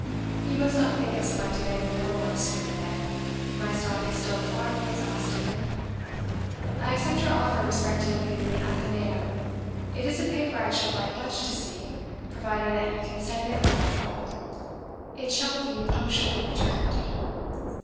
You must not think of selecting any more works for me yet; my stock is still far from exhausted. "I accept your offer respecting the 'Athenaeum;' it is a paper I should like much to see, providing that you can send it without trouble. It shall be punctually returned."